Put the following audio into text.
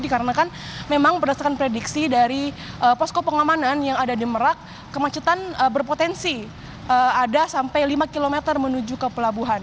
dikarenakan memang berdasarkan prediksi dari posko pengamanan yang ada di merak kemacetan berpotensi ada sampai lima km menuju ke pelabuhan